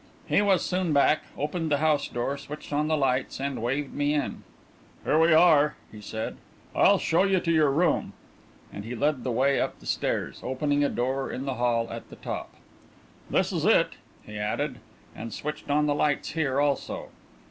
He was soon back, opened the house door, switched on the lights, and waved me in. "Here we are," he said. "I'll show you your room," and he led the way up the stairs, opening a door in the hall at the top. "This is it," he added, and switched on the lights here also.